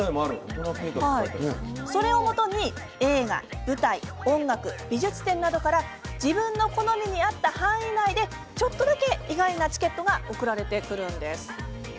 それをもとに、映画、舞台音楽、美術展などから自分の好みに合った範囲内でちょっとだけ意外なチケットが送られてくるんです。